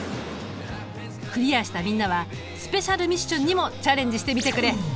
クリアしたみんなはスペシャルミッションにもチャレンジしてみてくれ。